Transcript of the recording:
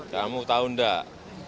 kamu tahu enggak